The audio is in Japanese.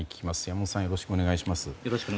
山本さんよろしくお願いします。